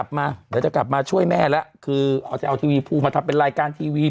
มาเดี๋ยวจะกลับมาช่วยแม่แล้วคือจะเอาทีวีภูมาทำเป็นรายการทีวี